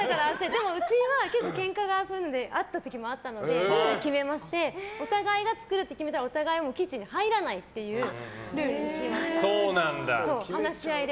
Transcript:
でもうちはそれで結構けんかする時もあったのでルールを決めましてお互いが作るって決めたらお互いキッチンに入らないというルールにしました。